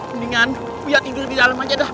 mendingan ya tidur di dalam aja dah